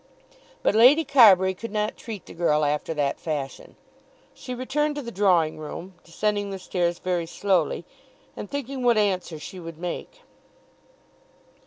But Lady Carbury could not treat the girl after that fashion. She returned to the drawing room, descending the stairs very slowly, and thinking what answer she would make.